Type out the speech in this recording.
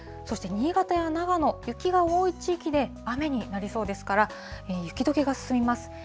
そして、新潟や長野、雪が多い地域で雨になりそうですから、雪どけが進みます。